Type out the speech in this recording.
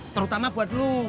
terutama buat elu